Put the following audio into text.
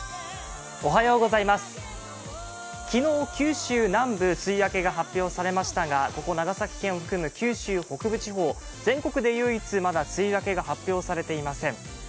昨日、九州南部梅雨明けが発表されましたが、ここ長崎県含む九州北部地方、全国で唯一、まだ梅雨明けが発表されていません。